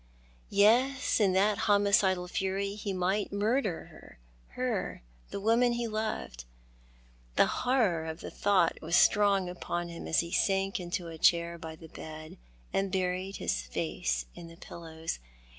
Yes, in that homicidal fury he might murder her — her, the woman he loved. The horror of the thought was strong upon him as he sank into a chair by the bed, and buried his face in the pillows.